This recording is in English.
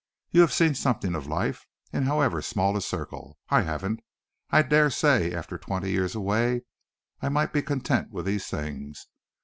You have seen something of life, in however small a circle. I haven't! I dare say, after twenty years away, I might be content with these things.